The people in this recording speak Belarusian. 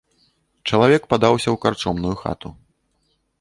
Чалавек падаўся ў карчомную хату.